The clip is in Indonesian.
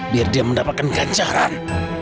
biar dia mendapatkan ganjaran